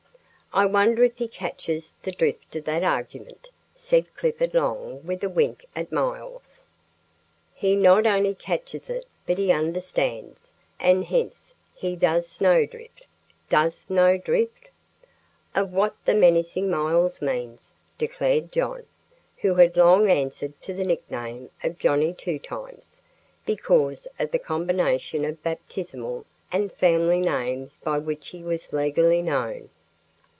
"I wonder if he catches the drift of that argument," said Clifford Long, with a wink at Miles. "He not only catches it, but he understands, and hence he does snow drift (does know drift) of what the menacing Miles means," declared John, who had long answered to the nickname of "Johnnie Two Times," because of the combination of baptismal and family names by which he was legally known.